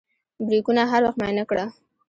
بریکونه هر وخت معاینه کړه.